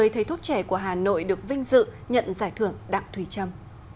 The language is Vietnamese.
một mươi thầy thuốc trẻ của hà nội được vinh dự nhận giải thưởng đặng thùy trâm